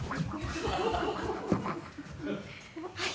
はい。